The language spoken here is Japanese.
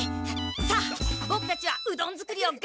さあボクたちはうどん作りをがんばろう！